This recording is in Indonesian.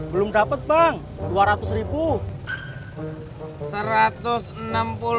belum dapet bang rp dua ratus